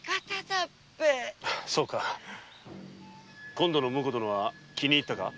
今度の婿殿は気に入ったか？